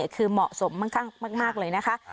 คือเหมาะสมมากเลยนะคะ